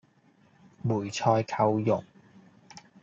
梅菜扣肉